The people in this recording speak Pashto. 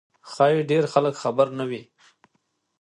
ښایي ډېر خلک خبر نه وي.